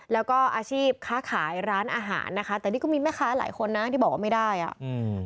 แล้วก็อาชีพค้าขายร้านอาหารนะคะแต่นี่ก็มีแม่ค้าหลายคนนะที่บอกว่าไม่ได้อ่ะอืม